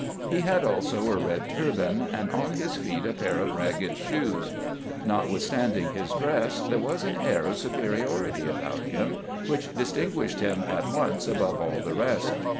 He had also a red turban, and on his feet a pair of ragged shoes. Notwithstanding his dress, there was an air of superiority about him, which distinguished him at once above all the rest.